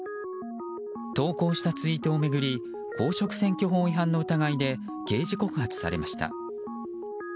投稿したツイートを巡り公職選挙法違反の疑いで刑事告発されました。